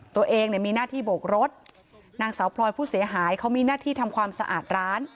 ตัวเองเนี่ยมีหน้าที่โบกรถนางสาวพลอยผู้เสียหายเขามีหน้าที่ทำความสะอาดร้าน